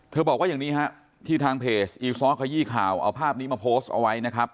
บอกว่าอย่างนี้ฮะที่ทางเพจอีซ้อขยี้ข่าวเอาภาพนี้มาโพสต์เอาไว้นะครับ